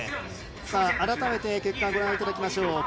改めて結果をご覧いただきましょう。